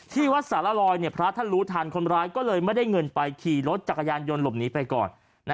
ที่วัดสารลอยพระท่านรู้ทันคนร้ายก็เลยไม่ได้เงินไปขี่รถจักรยานยนต์หลบหนีไปก่อน